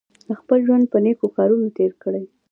خپل ژوند په نېکو کارونو تېر کړئ.